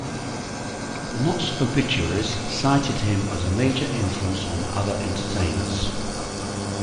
Knotts' obituaries cited him as a major influence on other entertainers.